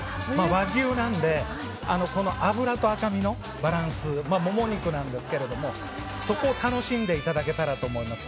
和牛なので、脂と赤身のバランスモモ肉なんですがそこを楽しんでいただけたらと思います。